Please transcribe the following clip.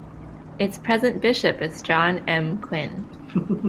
Its present Bishop is John M. Quinn.